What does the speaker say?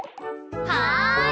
はい。